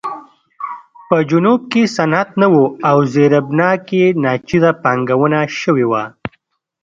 په جنوب کې صنعت نه و او زیربنا کې ناچیزه پانګونه شوې وه.